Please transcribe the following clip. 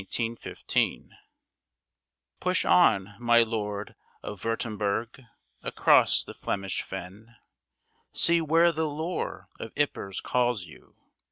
YPRES SEPTEMBER, 1915 Push on, my Lord of Würtemberg, across the Flemish Fen! See where the lure of Ypres calls you!